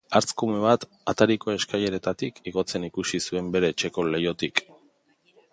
Hartzkume bat atariko eskaileretatik igotzen ikusi zuen bere etxeko leihotik.